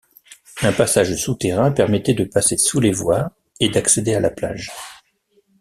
Un passage souterrain permettait de passer sous les voies et d'accéder à la plage.